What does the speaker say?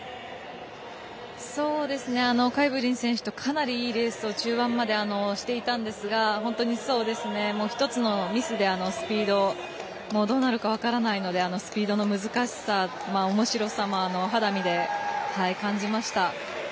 ハイブリン選手とかなり、いいレースを中盤までしていたんですが１つのミスでスピードはどうなるか分からないのでスピードの難しさおもしろさも肌身で感じました。